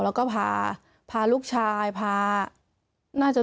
แล้วก็พาลูกชายพาน่าจะลูกสาว